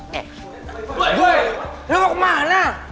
weh lo mau kemana